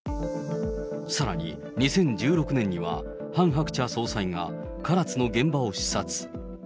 さらに、２０１６年にはハン・ハクチャ総裁が唐津の現場を視察。